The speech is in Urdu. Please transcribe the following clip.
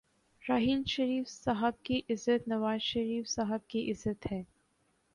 راحیل شریف صاحب کی عزت نوازشریف صاحب کی عزت ہے۔